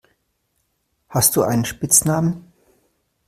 Hast du einen Spitznamen?